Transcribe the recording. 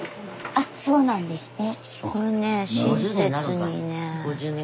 あっそうなんですね。